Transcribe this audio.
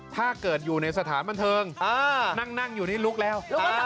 ถ้าเกิดอยู่ในสถานบันเทิงนั่งอยู่นี่ลุกแล้ว